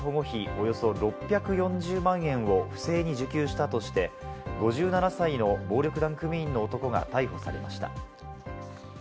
およそ６４０万円を不正に受給したとして５７歳の暴力団組員の男が逮捕されました。